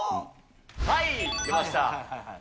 はい、出ました。